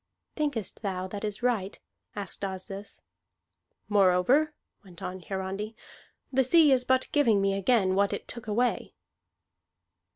"Thinkest thou that is right?" asked Asdis. "Moreover," went on Hiarandi, "the sea is but giving me again what it took away."